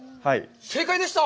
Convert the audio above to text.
正解でした。